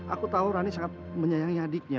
aku tahu rani sangat menyayangi adiknya